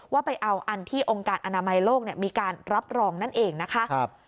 ว่าไปเอาอันที่องค์การอนามัยโลกมีการรับรองนั่นเองนะคะ